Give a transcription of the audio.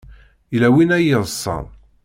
Yella win ay yeḍsan.